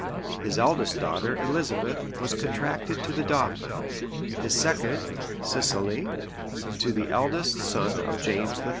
His eldest daughter, Elizabeth, was contracted to the dauphin; his second, Cicely, to the eldest son of James III.